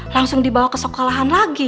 langsung dibawa ke sekolahan lagi